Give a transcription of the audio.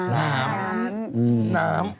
เติมน้ำ